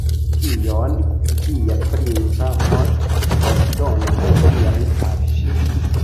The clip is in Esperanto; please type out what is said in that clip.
Kion via princa moŝto ordonos diri al ŝi?